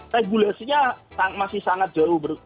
regulasinya masih sangat jauh